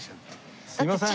すいません！